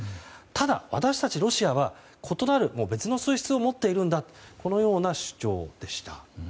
ただ、私たちロシアは異なる別の性質を持っているんだという主張でした。